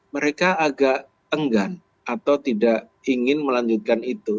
mereka agak enggan atau tidak ingin melanjutkan itu